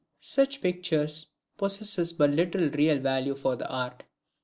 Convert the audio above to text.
Such pictures possess but little real value for art.